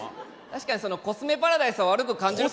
確かにそのコスメパラダイスは悪く感じる。